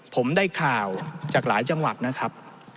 ผมได้ข่าวจากหลายจังหวัดนะครับ